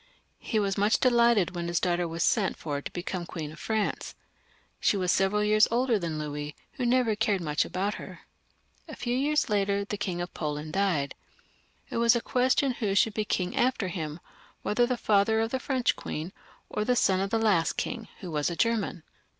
He was much delighted when his daughter was sent for to become Queen of France. She was several years older than the king, who never cared much about her. A few years later the King of Poland died. It was a question who should be king after him, whether the father of the French queen, or the son of the last king, who was a German.